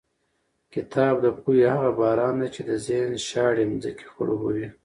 کتاب د پوهې هغه باران دی چې د ذهن شاړې ځمکې خړوبوي.